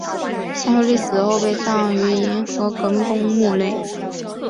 向秀丽死后被葬于银河革命公墓内。